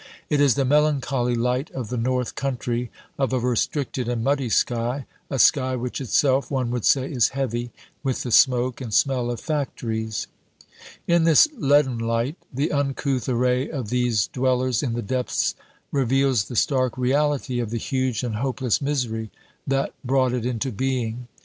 It is the melancholy light of the North Country, of a restricted and muddy sky, a sky which itself, one would say, is heavy with the smoke and smell of factories. In this leaden light, the uncouth array of these dwellers in the depths reveals the stark reality of the huge and hopeless misery that brought it into being.